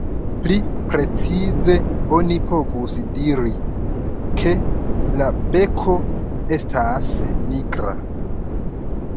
Pli precize oni povus diri, ke la beko estas nigra.